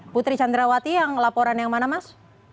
putri candrawati yang laporan yang mana mas